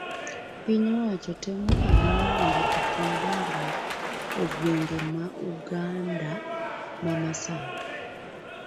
piny owacho temo ahinya mondo otim dongruok e gwenge ma Uganda ma Masawa